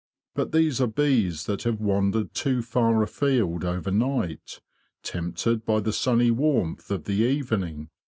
But these are bees that have wandered too far afield overnight, tempted by the sunny warmth of the evening.